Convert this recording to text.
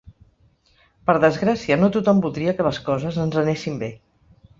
Per desgràcia, no tothom voldria que les coses ens anessin bé.